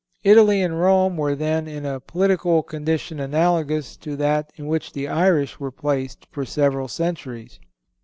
Italy and Rome were then in a political condition analogous to that in which the Irish were placed for several centuries.